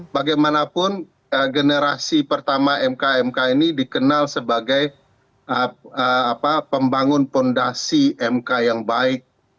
bagaimanapun generasi pertama mk mk ini dikenal sebagai pembangun fondasi mk yang baik